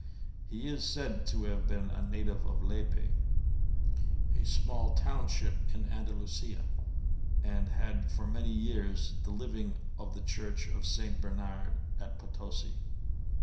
He is said to have been a native of Lepe, a small township in Andalusia, and had for many years the living of the church of St. Bernard at Potosi.